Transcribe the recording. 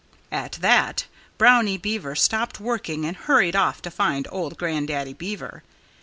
At that Brownie Beaver stopped working and hurried off to find old Grandaddy Beaver.